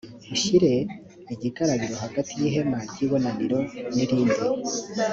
ushyire igikarabiro hagati y’ihema ry’ibonaniro n’irindi